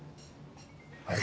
はい。